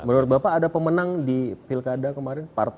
menurut bapak ada pemenang di pilkada kemarin